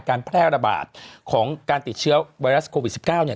การแพร่ระบาดของการติดเชื้อไวรัสโควิด๑๙เนี่ย